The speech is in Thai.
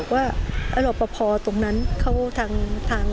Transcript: สวัสดีครับ